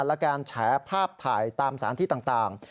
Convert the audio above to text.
และการแฉภาพถ่ายตามสารที่ต่าง